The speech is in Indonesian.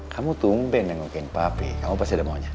kamu tumben yang ngelukain papi kamu pasti ada maunya